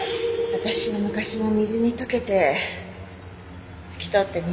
私の昔も水に溶けて透き通って見えたらいいのに。